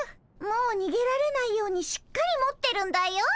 もうにげられないようにしっかり持ってるんだよ。